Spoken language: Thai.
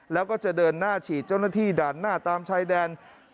แล้วก็จะเดินหน้าฉีดเจ้าหน้าที่ด่านหน้าตามชายแดน